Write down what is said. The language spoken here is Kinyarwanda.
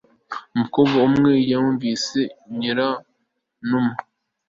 umukobwa umwe yamwise nyiranuma,